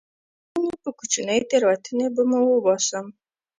که نه نو په کوچنۍ تېروتنې به مو وباسم